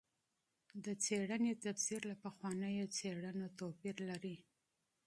د څېړنې تفسیر له پخوانیو څېړنو توپیر لري.